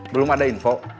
belum ada info